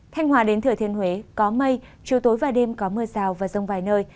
thanh hòa đến thửa thiên huế có mây chiều tối và đêm có mưa sào và rông vài nơi